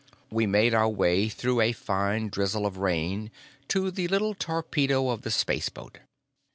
We made our way through a fine drizzle of rain to the little torpedo of the spaceboat.